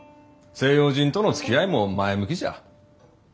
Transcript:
西洋人とのつきあいも前向きじゃ。